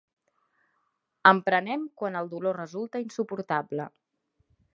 En prenem quan el dolor resulta insuportable.